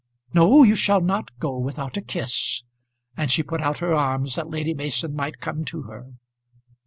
No; you shall not go without a kiss." And she put out her arms that Lady Mason might come to her.